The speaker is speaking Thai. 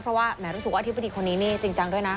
เพราะว่าแหมรู้สึกว่าอธิบดีคนนี้นี่จริงจังด้วยนะ